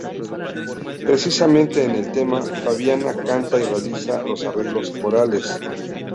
Precisamente en el tema, Fabiana canta y realiza los arreglos corales.